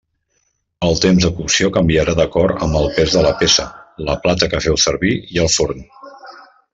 El temps de cocció canviarà d'acord amb el pes de la peça, la plata que feu servir i el forn.